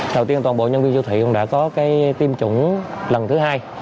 đầu tiên toàn bộ nhân viên siêu thị cũng đã có tiêm chủng lần thứ hai